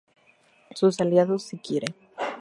Sus aliados, si quiere".